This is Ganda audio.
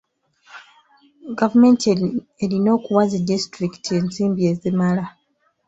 Gavumenti erina okuwa zi disitulikiti ensimbi ezimala.